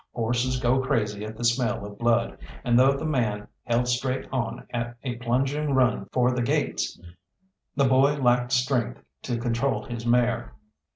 Horses go crazy at the smell of blood, and though the man held straight on at a plunging run for the gates, the boy lacked strength to control his mare.